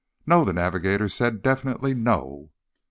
"No," the navigator said. "Definitely no."